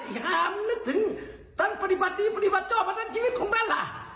มึงยังนึกถึงตันปฏิบัติอีกแล้วปฏิบัติโชคกับชีวิตของตั้นล่ะ